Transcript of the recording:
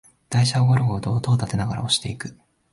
台車をゴロゴロと音をたてながら押していく